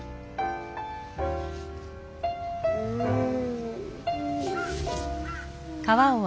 うん。